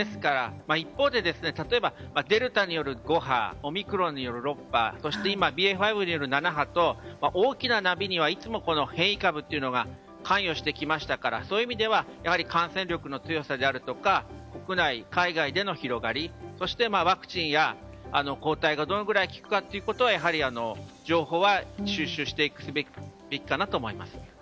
一方で例えば、デルタによる５波オミクロンによる６波ＢＡ．５による７波と大きな波にはいつも変異株というのが関与してきましたからそういう意味では感染力の強さであるとか国内、海外での広がりそしてワクチンや抗体がどのぐらい効くかというやはり情報は収拾すべきかなと思います。